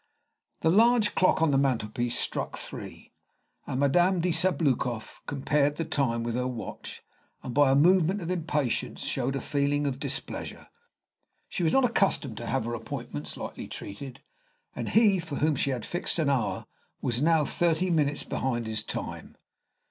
The large clock on the mantelpiece struck three, and Madame de Sabloukoff compared the time with her watch, and by a movement of impatience showed a feeling of displeasure. She was not accustomed to have her appointments lightly treated, and he for whom she had fixed an hour was now thirty minutes behind his time.